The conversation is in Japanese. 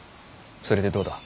それでどうだ。